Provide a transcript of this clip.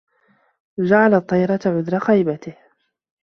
جَعَلَ الطِّيَرَةَ عُذْرَ خَيْبَتِهِ